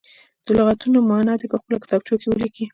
د لغتونو معنا دې په خپلو کتابچو کې ولیکي.